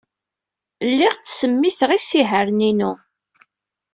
Lliɣ ttsemmiteɣ isihaṛen-inu.